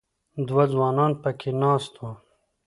دوه ځوانان په کې ناست وو.